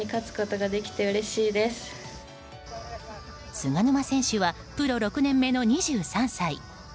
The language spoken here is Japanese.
菅沼選手はプロ６年目の２３歳。